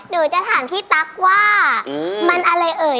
เดี๋ยวจะถามพี่ตั๊กว่ามันอะไรเอ่ย